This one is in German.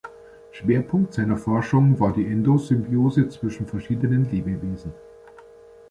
Schwerpunkt seiner Forschung war die Endosymbiose zwischen verschiedenen Lebewesen.